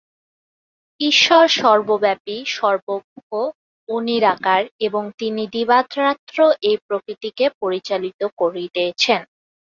ঈশ্বর সর্বব্যাপী, সর্বজ্ঞ ও নিরাকার এবং তিনি দিবারাত্র এই প্রকৃতিকে পরিচালিত করিতেছেন।